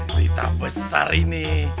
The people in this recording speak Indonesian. berita besar ini